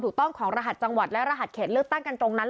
ถูกต้องของรหัสจังหวัดและรหัสเขตเลือกตั้งกันตรงนั้น